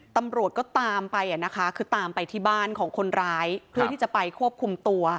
ตำรวจก็ตามไปอ่ะนะคะคือตามไปที่บ้านของคนร้ายเพื่อที่จะไปควบคุมตัว